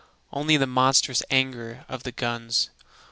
Only the monstrous anger of the guns.